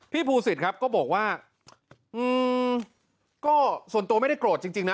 ภูสิตครับก็บอกว่าก็ส่วนตัวไม่ได้โกรธจริงนะ